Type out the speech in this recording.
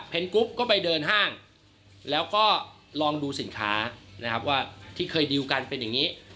เพนกรุ๊ปก็ไปเดินห้างแล้วก็ลองดูสินค้าที่เคยดิลกันเป็นอย่างนี้